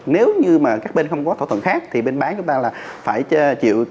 nếu như các bên không có thỏa thuận khác thì bên bán chúng ta phải chịu